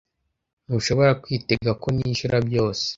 Ntushobora kwitega ko nishyura byose.